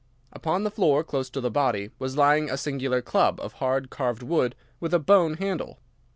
Upon the floor, close to the body, was lying a singular club of hard carved wood with a bone handle.